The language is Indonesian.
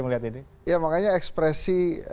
melihat ini ya makanya ekspresi